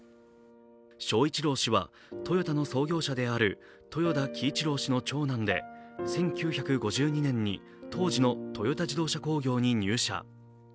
章一郎さん氏はトヨタの創業者である豊田喜一郎氏の長男で１９５２年に当時のトヨタ自動車工業に入社。